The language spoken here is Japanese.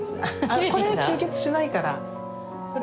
あこれ吸血しないから。